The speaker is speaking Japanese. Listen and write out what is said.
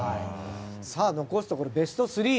さあ、残すところベスト３。